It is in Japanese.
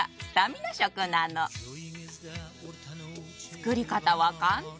作り方は簡単。